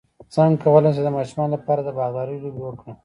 څنګه کولی شم د ماشومانو لپاره د باغدارۍ لوبې وکړم